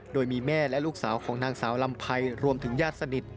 โดยมีแม่และลูกสาวของนางสาวลำไพรรวมถึงญาติสนิท